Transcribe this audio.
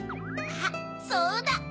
あっそうだ！